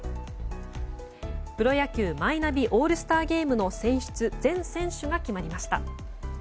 プロ野球マイナビオールスターゲームの選出、全選手が決まりました。